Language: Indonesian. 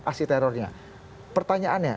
aksi terornya pertanyaannya